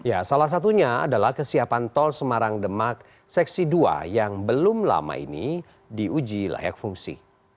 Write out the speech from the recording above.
ya salah satunya adalah kesiapan tol semarang demak seksi dua yang belum lama ini diuji layak fungsi